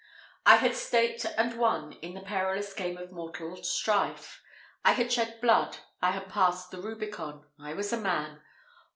I had staked and won in the perilous game of mortal strife. I had shed blood I had passed the rubicon I was a man.